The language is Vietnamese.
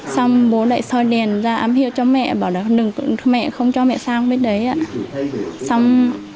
xong bố lại soi đèn ra ám hiệu cho mẹ bảo đừng có đau xót